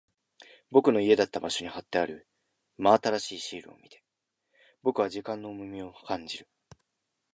僕の家だった場所に貼ってある真新しいシールを見て、僕は時間の重みを感じる。